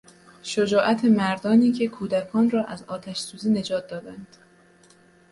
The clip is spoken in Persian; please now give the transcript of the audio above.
شجاعت مردانی که کودکان را از آتش سوزی نجات دادند